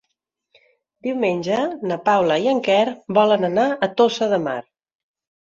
Diumenge na Paula i en Quer volen anar a Tossa de Mar.